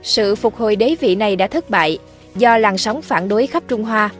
sự phục hồi đế vị này đã thất bại do làn sóng phản đối khắp trung hoa